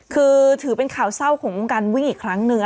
คือถือเป็นข่าวเศร้าของวงการวิ่งอีกครั้งหนึ่ง